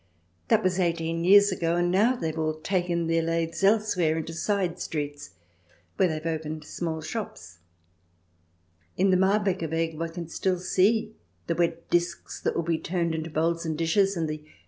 That was eighteen years ago, and now they have all taken their lathes elsewhere into side streets, where they have opened small shops. In the Marbacher Weg one can still see the wet discs that will be turned into bowls and dishes, and the 128 THE DESIRABLE ALIEN [ch.